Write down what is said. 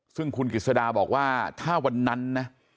ซึ่งคุณกิจสดาบอกว่าถ้าวันนั้นนะ